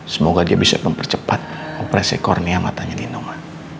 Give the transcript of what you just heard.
semoga dia bisa mempercepat kompres ekornya matanya nino ma